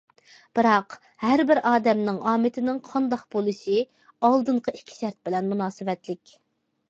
بىراق، ھەربىر ئادەمنىڭ ئامىتىنىڭ قانداق بولۇشى بولۇشى ئالدىنقى ئىككى شەرت بىلەن مۇناسىۋەتلىك.